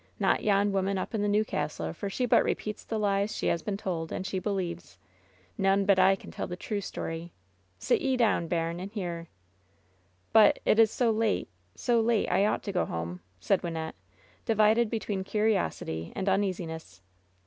Not yon woman up in the new castle, for she but repeats the lies she has been told, and she believes. None but I can tell the true story. Sit ye down, bairn, and hear." "But — ^it is so late — so late — I ought to go home," said Wynnette, divided between curiosity and uneasi ness.